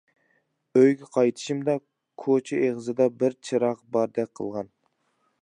ئۆيگە قايتىشىمدا كوچا ئېغىزىدا بىر چىراغ باردەك قىلغان.